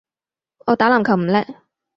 我打籃球唔叻